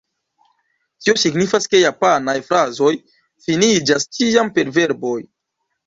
Tio signifas ke japanaj frazoj finiĝas ĉiam per verbo.